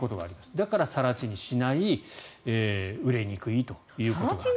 だから更地にしない売れにくいということです。